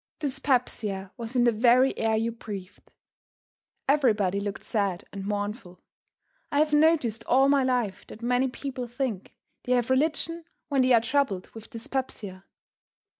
Dyspepsia was in the very air you breathed. Everybody looked sad and mournful. I have noticed all my life that many people think they have religion when they are troubled with dyspepsia.